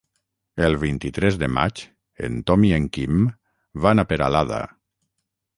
El vint-i-tres de maig en Tom i en Quim van a Peralada.